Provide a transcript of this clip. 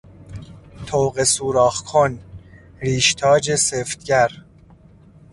طوقه سوراخ کن، ریشتاج سفتگر